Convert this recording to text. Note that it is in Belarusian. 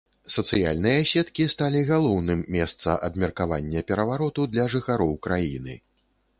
Сацыяльныя сеткі сталі галоўным месца абмеркавання перавароту для жыхароў краіны.